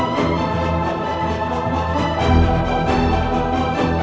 kalau apa itu